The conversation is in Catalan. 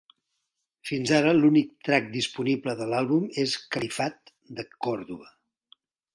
Fins ara, l'únic track disponible de l'àlbum és "Califat de Còrdova".